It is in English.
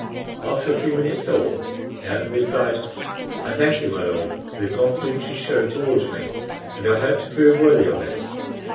After a few minutes' thought, Ayrton replied "I thank you, my Lord, for the confidence you show towards me, and I hope to prove worthy of it.